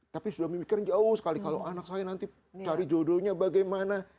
tapi sudah memikir jauh sekali kalau anak saya nanti cari jodohnya bagaimana